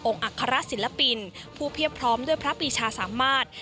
องค์อัครราชศิลปินผู้เพียบพร้อมด้วยพระปริชาสามมาตร